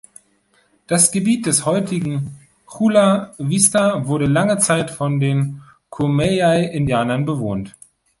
Das Gebiet des heutigen Chula Vista wurde lange Zeit von den Kumeyaay-Indianern bewohnt.